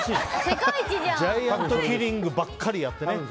ジャイアントキリングばっかりやってね。